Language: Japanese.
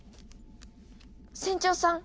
船長さん！